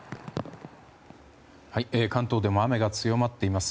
関東でも雨が強まっています。